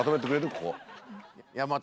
ここ。